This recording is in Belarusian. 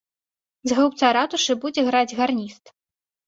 З гаўбца ратушы будзе граць гарніст.